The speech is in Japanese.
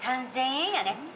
３，０００円やね。